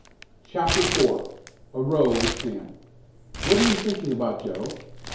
CHAPTER IV A ROW WITH SAM "What are you thinking about, Joe?"